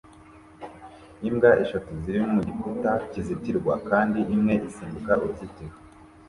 Imbwa eshatu ziri mu gikuta kizitirwa kandi imwe isimbuka uruzitiro